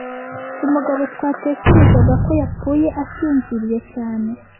umugabo twatekerezaga ko yapfuye asinziriye cyane